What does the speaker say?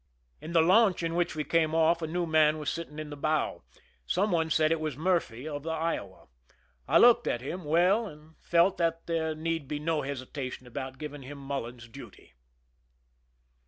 In the launch in which we came off a new man was sitting in the bow; some one said it was Murphy of i:he Iowa. I looked at him well and felt that there need be no hesitation about giving him Mullen's duty.